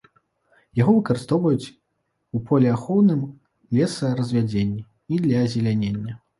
Яго выкарыстоўваюць у полеахоўным лесаразвядзенні і для азелянення.